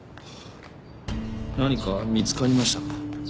何か見つかりましたか？